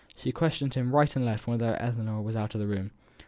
She questioned him right and left whenever Ellinor was out of the room.